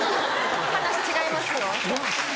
話違いますよ。